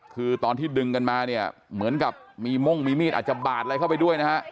คือตอนที่ดึงกันมาเนี่ยเหมือนกับมีม่งมีมีดอาจจะบาดอะไรเข้าไปด้วยนะฮะ